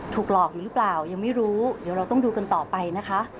ถูกหลอกอยู่หรือเปล่ายังไม่รู้เดี๋ยวเราต้องดูกันต่อไปนะคะ